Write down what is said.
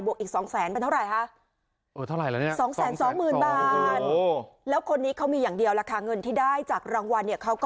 บวกอีก๒๐๐๐๐๐เป็นเท่าไรค่ะ